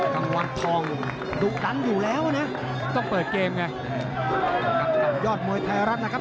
กลางวันทองดุดันอยู่แล้วนะต้องเปิดเกมไงกับยอดมวยไทยรัฐนะครับ